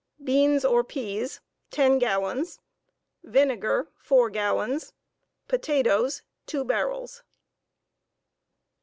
Beans or pease 10 gallons. Vinegar 4 gallons* Potatoes 2 barrels.